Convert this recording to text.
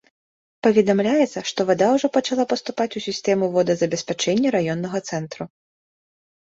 Паведамляецца, што вада ўжо пачала паступаць у сістэму водазабеспячэння раённага цэнтра.